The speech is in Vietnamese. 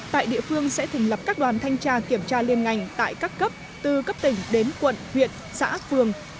tại địa phương sẽ thành lập các đoàn thanh tra kiểm tra liên ngành tại các cấp từ cấp tỉnh đến quận huyện xã phường